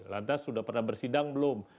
lantas sudah pernah bersidang belum